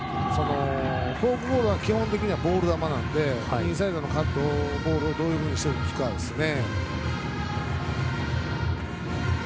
フォークボールは基本的にはボール球なのでインサイドのカットをどういうふうにして打つかですね。